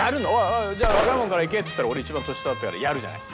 「じゃあ若いもんからいけ」って言ったら俺一番年下だったからやるじゃない？